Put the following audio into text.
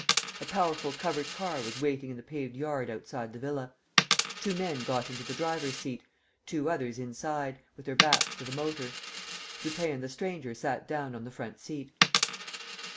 A powerful covered car was waiting in the paved yard outside the villa. Two men got into the driver's seat, two others inside, with their backs to the motor. Lupin and the stranger sat down on the front seat.